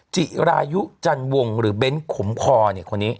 จิรายุจันวงหรือเบ้นขมคอเนี่ยคนนี้